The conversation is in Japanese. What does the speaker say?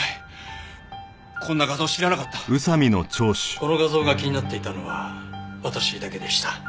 この画像が気になっていたのは私だけでした。